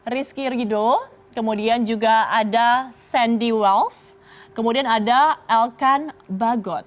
rizky rido kemudian juga ada sandy wells kemudian ada elkan bagot